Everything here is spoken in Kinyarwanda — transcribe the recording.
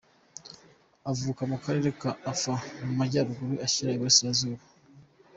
Avuka mu karere ka Afar ko mu majyaruguru ashyira uburasirazuba.